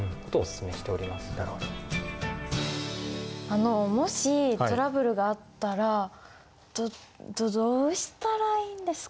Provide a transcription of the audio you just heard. あのもしトラブルがあったらどどうしたらいいんですかね？